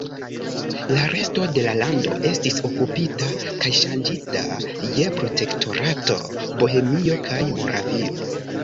La resto de la lando estis okupita kaj ŝanĝita je Protektorato Bohemio kaj Moravio.